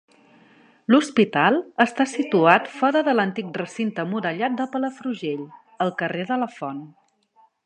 L'hospital està situat fora de l'antic recinte murallat de Palafrugell, al carrer de la Font.